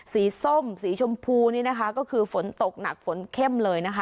ส้มสีชมพูนี่นะคะก็คือฝนตกหนักฝนเข้มเลยนะคะ